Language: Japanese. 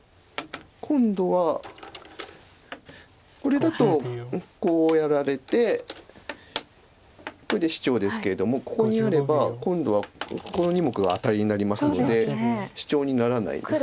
今度はこれだとこうやられてこれでシチョウですけれどもここにあれば今度はここの２目がアタリになりますのでシチョウにならないんです。